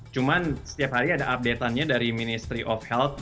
cuman setiap hari ada update nya dari ministry of health